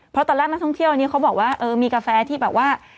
เพราะตอนแรกนักท่องเที่ยวนี้เขาบอกว่าเออมีกาแฟที่แบบว่า